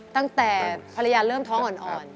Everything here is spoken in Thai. ตั้งแต่ภรรยาเริ่มท้องอ่อน